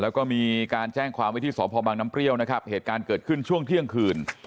แล้วก็มีการแจ้งความไว้ที่สพบังน้ำเปรี้ยวนะครับเหตุการณ์เกิดขึ้นช่วงเที่ยงคืน